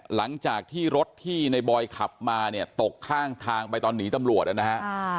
หลังจากที่รถที่ในบอยขับมาเนี่ยตกข้างทางไปตอนหนีตำรวจนะฮะ